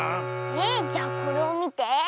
えっじゃこれをみて！